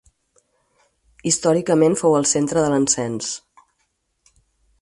Històricament fou el centre de l'encens.